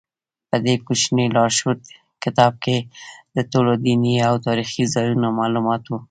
په دې کوچني لارښود کتاب کې د ټولو دیني او تاریخي ځایونو معلومات و.